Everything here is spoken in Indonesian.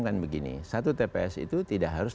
kan begini satu tps itu tidak harus